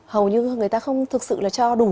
hầu như người ta không thực sự là cho đủ